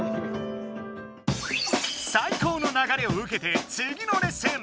最高のながれをうけてつぎのレッスン！